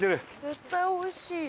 絶対おいしい。